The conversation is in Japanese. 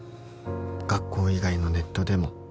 「学校以外のネットでも」